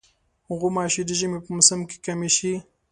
غوماشې د ژمي په موسم کې کمې شي.